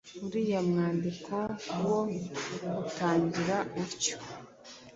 uriya mwandiko wo utangira utyo